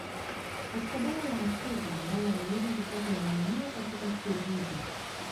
Katika bara la Afrika ambao waliweza kupata elimu yao katika shule hizo